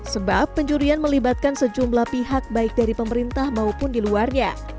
sebab pencurian melibatkan sejumlah pihak baik dari pemerintah maupun di luarnya